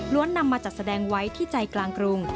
นำมาจัดแสดงไว้ที่ใจกลางกรุง